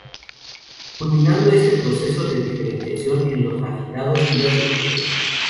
Culminando este proceso de diferenciación en los agitados días de octubre.